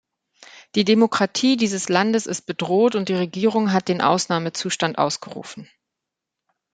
Die Demokratie dieses Landes ist bedroht und die Regierung hat den Ausnahmezustand ausgerufen.